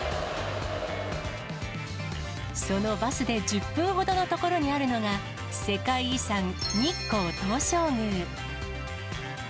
そのバスで１０分ほどの所にあるのが、世界遺産、日光東照宮。